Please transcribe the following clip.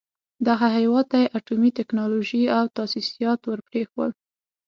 دغه هېواد ته يې اټومي ټکنالوژۍ او تاسيسات ور پرېښول.